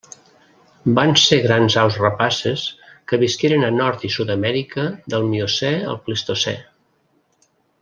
Van ser grans aus rapaces que visqueren a Nord i Sud-amèrica del Miocè al Plistocè.